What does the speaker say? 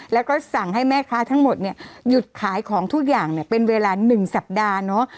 แล้วก็สั่งให้แม่ค้าทั้งหมดเนี่ยหยุดขายของทุกอย่างเนี่ยเป็นเวลา๑สัปดาห์เนอะ